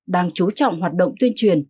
đang chú trọng hoạt động tuyên truyền